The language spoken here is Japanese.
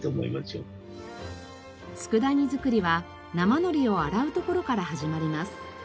佃煮作りは生のりを洗うところから始まります。